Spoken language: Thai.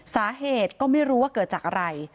สาเหตุก็ไม่รู้ว่าเกิดจากอะไร